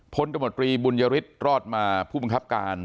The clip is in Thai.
ตมตรีบุญยฤทธิ์รอดมาผู้บังคับการ